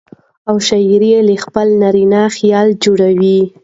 او شاعر يې له خپل نارينه خياله جوړوي.